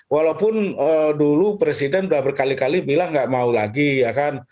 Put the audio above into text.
walaupun dulu presiden sudah berkali kali bilang nggak mau lagi ya kan